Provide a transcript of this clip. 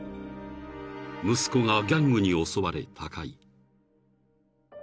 息子がギャングに襲われ他界］